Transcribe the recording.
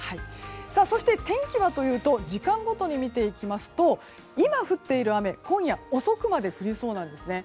そして、天気はというと時間ごとに見ていきますと今降っている雨、今夜遅くまで降りそうなんですね。